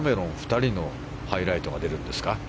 ２人のハイライトが出るんですか。